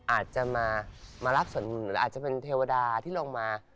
อาจจะมารับส่วนบุญหรืออาจจะเป็นเทวดาที่ลงมา